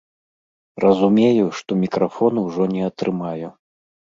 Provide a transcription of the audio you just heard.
Разумею, што мікрафон ужо не атрымаю.